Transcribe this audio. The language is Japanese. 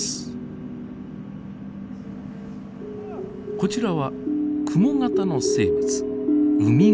こちらはクモ型の生物ウミグモです。